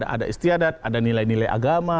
ada istiadat ada nilai nilai agama